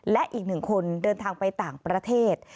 และอีกหนึ่งคนเดินทางไปต่างประเทศ